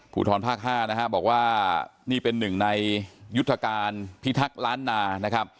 ภูทรภาค๕นะฮะบอกว่านี่เป็นหนึ่งในยุทธการพิทักษ์ล้านนานะครับ